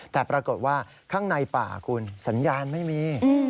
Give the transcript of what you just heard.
แต่ปรากฏว่าข้างในป่าคุณสัญญาณไม่มี